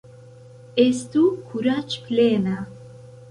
Estu Kuraĝplena!